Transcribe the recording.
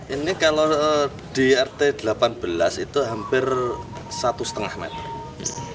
ini kalau di rt delapan belas itu hampir satu setengah meter